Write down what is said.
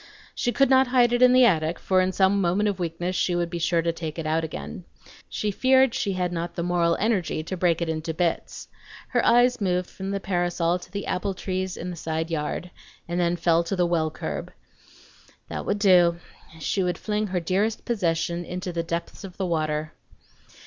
She could not hide it in the attic, for in some moment of weakness she would be sure to take it out again. She feared she had not the moral energy to break it into bits. Her eyes moved from the parasol to the apple trees in the side yard, and then fell to the well curb. That would do; she would fling her dearest possession into the depths of the water.